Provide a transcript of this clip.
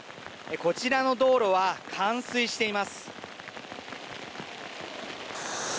こちらの道路は、冠水しています。